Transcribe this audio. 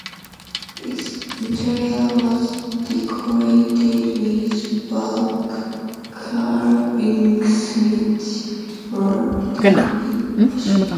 Its interior was decorated with Baroque carvings which were then in fashion.